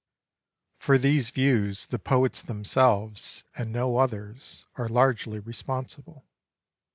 For these views the poets themselves, and no others, are largely responsible.